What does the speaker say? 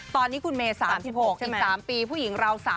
ตอนนี้คุณเมย์๓๖อีก๓ปีผู้หญิงเรา๓